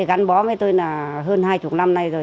bán bó với tôi là hơn hai chục năm nay rồi